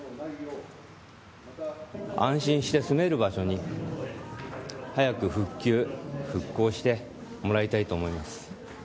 安心して住める場所に、早く復旧・復興してもらいたいと思います。